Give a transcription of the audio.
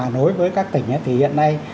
nối với các tỉnh thì hiện nay